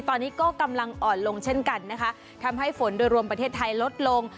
ตอนนี้ก็กำลังอ่อนลงเช่นกันนะคะทำให้ฝนโดยรวมประเทศไทยลดลง